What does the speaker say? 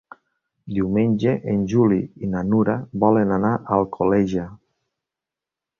Diumenge en Juli i na Nura volen anar a Alcoleja.